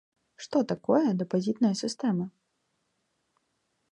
Што такое дэпазітная сістэма?